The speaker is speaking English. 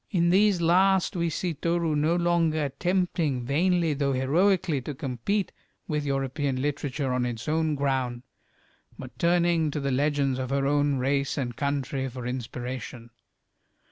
In these last we see Toru no longer attempting vainly, though heroically, to compete with European literature on its own ground, but turning to the legends of her own race and country for inspiration.